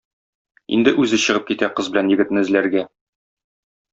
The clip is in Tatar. Инде үзе чыгып китә кыз белән егетне эзләргә.